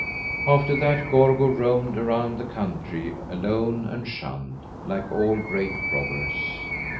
After that Gorgo roamed around the country, alone and shunned, like all great robbers.